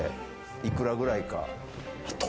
いくらくらいか。